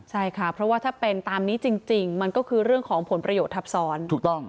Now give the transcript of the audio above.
ใช่ค่ะเพราะว่าถ้าเป็นตามนี้จริงมันก็คือเรื่องของผลประโยชน์ทับซ้อนถูกต้อง